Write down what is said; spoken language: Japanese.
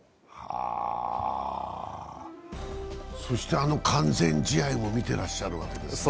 そして、あの完全試合も見てらっしゃるわけですね。